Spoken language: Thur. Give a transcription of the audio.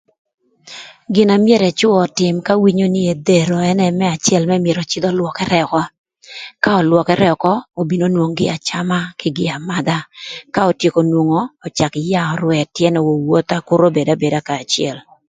Gin na myero ëcwö ötim ka winyo nï edhero ënë nï, më acël mërë myëro öcïdh ölwökërë ökö. Ka ölwökërë ökö obin onwong gin acama, kï gin amadha, ka otyeko nwongo öcak yaa më örwëë tyënë owowotha kür obed abeda kanya acël.